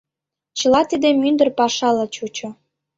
Чыла тиде мӱндыр пашала чучо.